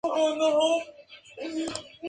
Sus calles principales son la Av.